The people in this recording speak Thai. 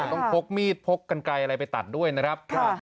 ต้องพกมีดพกกันไกลอะไรไปตัดด้วยนะครับ